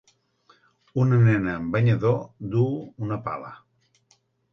Una nena en banyador duu una pala.